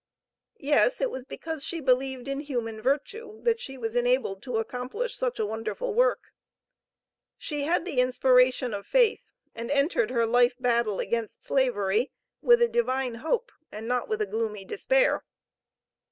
Yes, it was because she believed in human virtue, that she was enabled to accomplish such a wonderful work. She had the inspiration of faith, and entered her life battle against Slavery with a divine hope, and not with a gloomy despair.